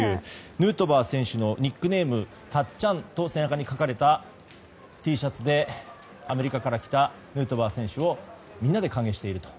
ヌートバー選手のニックネームたっちゃんと背中に書かれたＴシャツでアメリカから来たヌートバー選手をみんなで歓迎していると。